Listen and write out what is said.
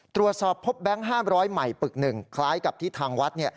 ตรวจสอบพบแบงค์๕๐๐ใหม่ปึก๑คล้ายกับที่ทางวัด